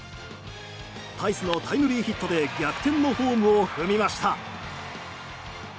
タイスのタイムリーヒットで逆転のホームを踏みました。